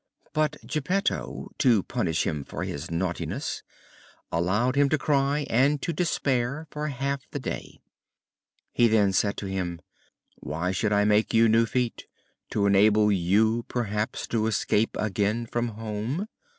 But Geppetto, to punish him for his naughtiness, allowed him to cry and to despair for half the day. He then said to him: "Why should I make you new feet? To enable you, perhaps, to escape again from home?"